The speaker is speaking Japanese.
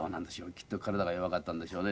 きっと体が弱かったんでしょうね。